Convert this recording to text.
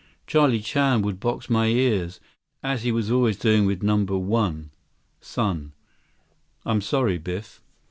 Charlie Chan would box my ears, as he was always doing with No. 1. Son. I'm sorry, Biff."